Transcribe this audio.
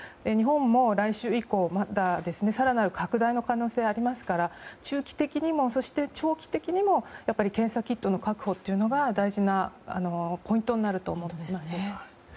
日本も来週以降更なる拡大の可能性ありますから中期的にも、そして長期的にも検査キットの確保というのが大事なポイントになると思います。